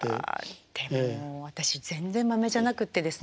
でも私全然まめじゃなくってですね